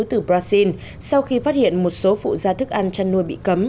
từ brazil sau khi phát hiện một số phụ gia thức ăn chăn nuôi bị cấm